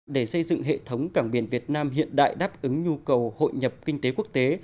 để xây dựng hệ thống cảng biển việt nam hiện đại đáp ứng nhu cầu hội nhập kinh tế quốc tế